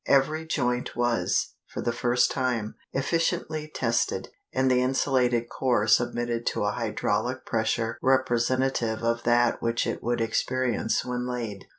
Every joint was, for the first time, efficiently tested, and the insulated core submitted to a hydraulic pressure representative of that which it would experience when laid.